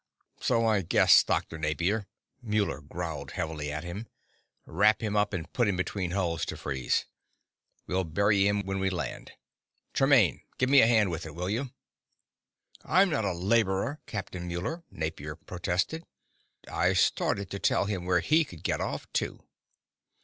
"So I guessed, Dr. Napier," Muller growled heavily at him. "Wrap him up and put him between hulls to freeze. We'll bury him when we land. Tremaine, give a hand with it, will you?" "I'm not a laborer, Captain Muller!" Napier protested. I started to tell him where he could get off, too.